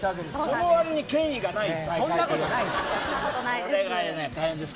そのわりに権威がない大会です。